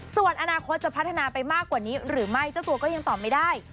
ส่วนอนาคตจะพัฒนาไปมากกว่านี้หรือไม่เจ้าตัวก็ยังตอบไม่ได้